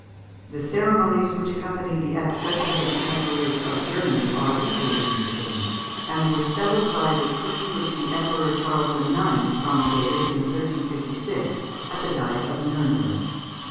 ] The ceremonies which accompanied the accessions of the emperors of Germany (Fig. 388) are equally interesting, and were settled by a decree which the Emperor Charles IX. promulgated in 1356, at the Diet of Nuremberg.